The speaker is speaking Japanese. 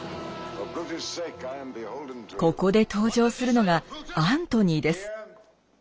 ここで登場するのがアントニーです。